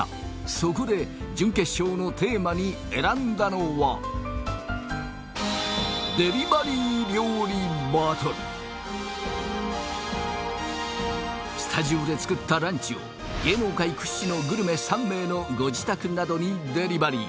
そこで準決勝のテーマに選んだのはスタジオで作ったランチを芸能界屈指のグルメ３名のご自宅などにデリバリー